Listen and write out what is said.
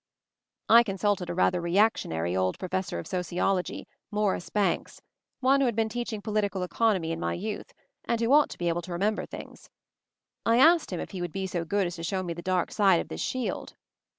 I consulted a rather reactionary old pro fessor of Sociology, Morris Banks; one who had been teaching Political Economy in my youth, and who ought to be able to remem ber things. I asked him if he would be so good as to show me the dark side of this shield.